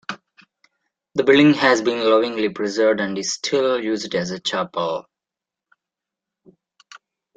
The building has been lovingly preserved and is still used as a chapel.